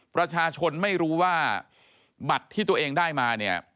ประชาชนไม่รู้ว่าบัตรที่ตัวเองได้มาเนี่ย